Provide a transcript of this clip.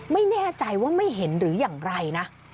ไม่แน่ใจว่าไม่เห็นหรืออย่างไรนะ